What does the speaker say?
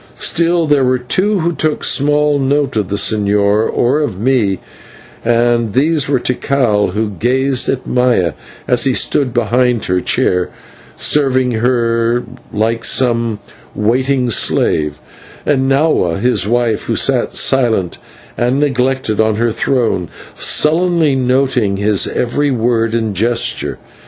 Still, there were two who took small note of the señor or of me, and these were Tikal, who gazed at Maya as he stood behind her chair serving her like some waiting slave, and Nahua his wife, who sat silent and neglected on her throne, sullenly noting his every word and gesture.